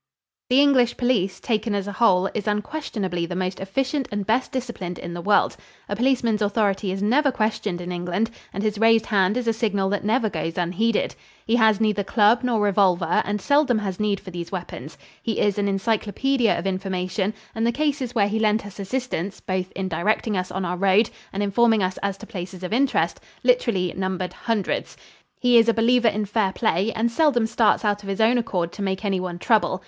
The English police, taken as a whole, is unquestionably the most efficient and best disciplined in the world. A policeman's authority is never questioned in England and his raised hand is a signal that never goes unheeded. He has neither club nor revolver and seldom has need for these weapons. He is an encyclopedia of information, and the cases where he lent us assistance both in directing us on our road and informing us as to places of interest, literally numbered hundreds. He is a believer in fair play and seldom starts out of his own accord to make anyone trouble.